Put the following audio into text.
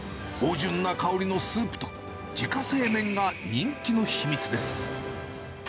芳じゅんな香りのスープと、自家製麺が人気の秘密です。